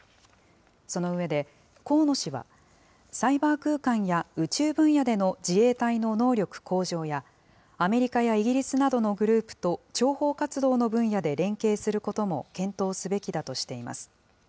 その上で、河野氏は、サイバー空間や宇宙分野での自衛隊の能力向上や、アメリカやイギリスなどのグループと諜報活動の分野で連携することも検討すべきだとしています。